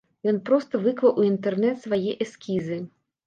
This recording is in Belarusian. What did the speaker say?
Ён проста выклаў у інтэрнэт свае эскізы.